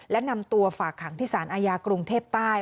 และนำตัวฝากขังที่สารอาญากรุงเทพใต้